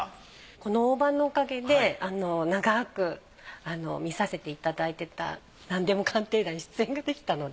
この大判のおかげで長く見させていただいてた「なんでも鑑定団」に出演ができたので。